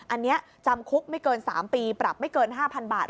อันนี้จำคุกไม่เกิน๓ปีปรับไม่เกิน๕๐๐๐บาท